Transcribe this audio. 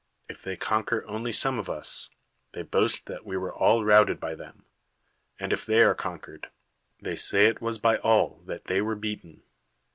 if they conrpier only some of us, they boiist that we were all routed by them; and if th(\v are eonfiuered, they say it was by all that th y were beaten.